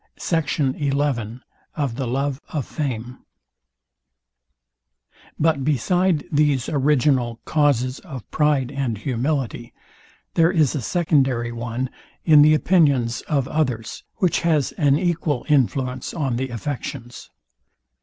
SECT. XI OF THE LOVE OF FAME But beside these original causes of pride and humility, there is a secondary one in the opinions of others, which has an equal influence on the affections.